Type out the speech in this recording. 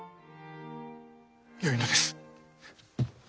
よいのです。